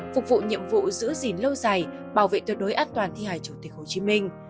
phục vụ nhiệm vụ giữ gìn lâu dài bảo vệ tuyệt đối an toàn thi hài chủ tịch hồ chí minh